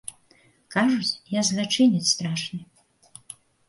Кажуць, я злачынец страшны.